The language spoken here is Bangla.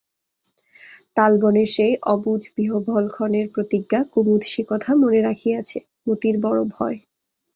তালবনের সেই অবুঝ বিহবল ক্ষণের প্রতিজ্ঞা কুমুদ সেকথা মনে রাখিয়াছে মতির বড় ভয়।